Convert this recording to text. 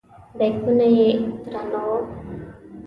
بیکونه یې درانه وو.